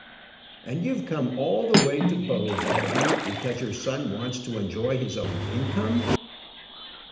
"And you've come all the way to Bowes, have you, because your son wants to enjoy his own income?"